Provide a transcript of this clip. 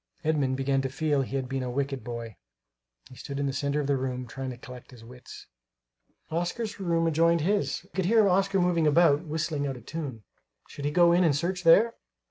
Edmund began to feel he had been a wicked boy. He stood in the centre of the room, trying to collect his wits. Oscar's room adjoined his; he could hear Oscar moving about, whistling out of tune. Should he go in and search there?